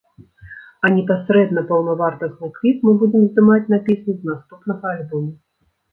А непасрэдна паўнавартасны кліп мы будзем здымаць на песню з наступнага альбома.